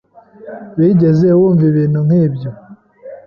Wigeze wumva ibintu nk'ibyo?